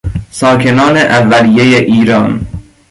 ساکنان اولیهی ایران